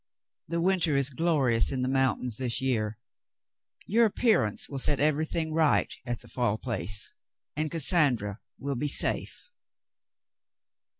The winter is glorious in the mountains this year. Your appearance will set everything right at the Fall Place, and Cassandra w^ill be safe."